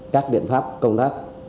các biện pháp công tác